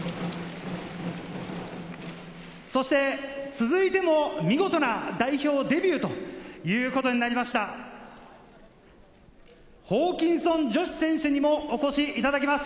続いても見事な代表デビューとなりました、ホーキンソン・ジョシュ選手にもお越しいただきます。